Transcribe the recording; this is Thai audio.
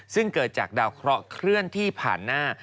ซึ่งเกิดจากดาวเคราะห์เคลื่อนที่ผ่านหน้า